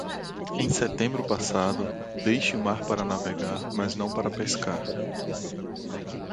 Em setembro passado, deixe o mar para navegar, mas não para pescar.